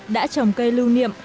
đã trồng cây lưu niệm